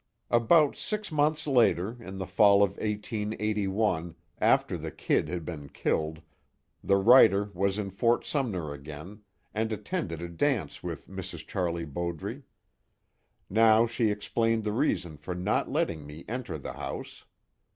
About six months later, in the fall of 1881, after the "Kid" had been killed, the writer was in Fort Sumner again, and attended a dance with Mrs. Charlie Bowdre. Now she explained the reason for not letting me enter the house.